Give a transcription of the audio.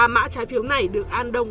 ba mã trái phiếu này được an đông